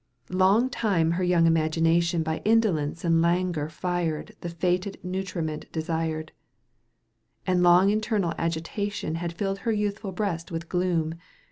Long time her young imagination By indolence and languor fired The fated nutriment desired ; And long internal agitation Had filled her youthful breast with gloom.